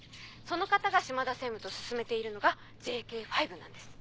その方が島田専務と進めているのがＪＫ５なんです。